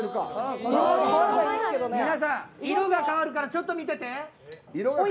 色が変わるからちょっと見てて。